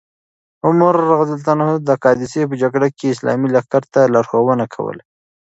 عمر رض د قادسیې په جګړه کې اسلامي لښکر ته لارښوونه کوله.